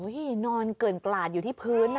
นอนเกินกลาดอยู่ที่พื้น